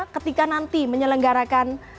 ketika nanti menyelenggarakan